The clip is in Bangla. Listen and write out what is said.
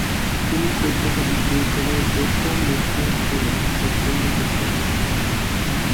তিনি কলকাতা বিশ্ববিদ্যালয়ের প্রথম মুসলিম সিনেট ও সিন্ডিকেট সদস্য ছিলেন।